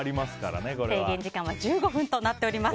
制限時間は１５分となっております。